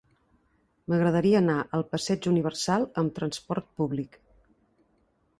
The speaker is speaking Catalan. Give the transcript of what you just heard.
M'agradaria anar al passeig Universal amb trasport públic.